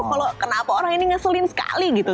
kalau kenapa orang ini ngeselin sekali gitu